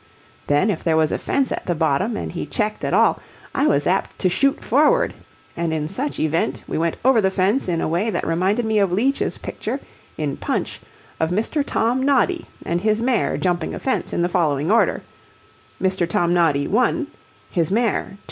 Then if there was a fence at the bottom and he checked at all, I was apt to shoot forward, and in such event we went over the fence in a way that reminded me of Leech's picture, in Punch, of Mr. Tom Noddy and his mare jumping a fence in the following order: Mr. Tom Noddy, I; his mare, II.